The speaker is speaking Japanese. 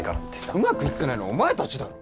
うまくいってないのはお前たちだろ。